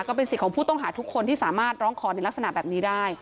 ก็เป็นสิทธิ์ของผู้ต้องหาทุกคนที่สามารถร้องขอในลักษณะแบบนี้ได้